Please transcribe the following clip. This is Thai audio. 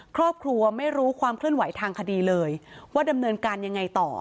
ครอบครัวไม่รู้ความเคลื่อนไหวทางคดีเลยว่าดำเนินการยังไงต่อ